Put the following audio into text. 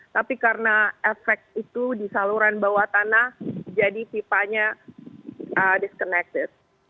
tapi karena efek itu di saluran bawah tanah jadi pipanya disconnected